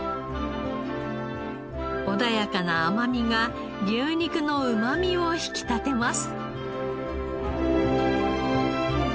穏やかな甘みが牛肉のうまみを引き立てます。